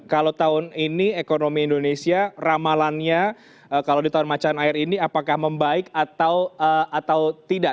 kalau tahun ini ekonomi indonesia ramalannya kalau di tahun macan air ini apakah membaik atau tidak